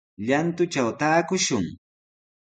Llantutraw taakushun.